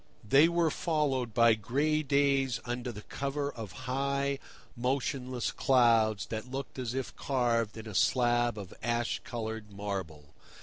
They were followed by gray days under the cover of high, motionless clouds that looked as if carved in a slab of ash coloured marble.